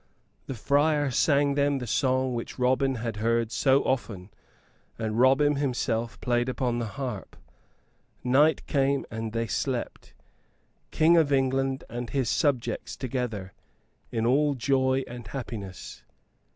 The friar sang them the song which Robin had heard so often, and Robin himself played upon the harp. Night came and they slept King of England and his subjects together, in all joy and happiness.